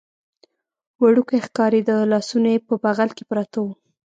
وړوکی ښکارېده، لاسونه یې په بغل کې پراته و.